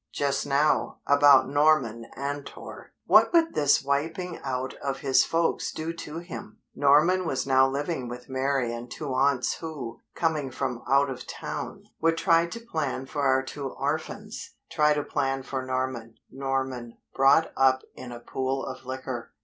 Just now, about Norman Antor. What would this wiping out of his folks do to him? Norman was now living with Mary and two aunts who, coming from out of town, would try to plan for our two orphans; try to plan for Norman; Norman, brought up in a pool of liquor!